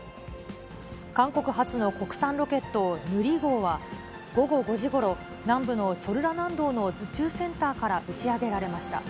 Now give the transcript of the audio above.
韓国初の国産ロケット、ヌリ号は、午後５時ごろ、南部のチョルラ南道の宇宙センターから打ち上げられました。